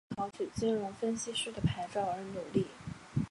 继续为考取金融分析师的牌照而努力。